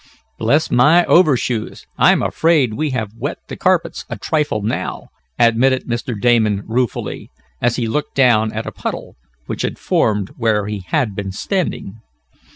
"Bless my overshoes, I'm afraid we have wet the carpets a trifle now," admitted Mr. Damon ruefully, as he looked down at a puddle, which had formed where he had been standing.